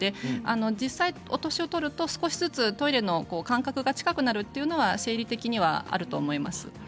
実際、お年を取ると少しずつトイレの間隔が近くなるというのは生理的にはあると思います。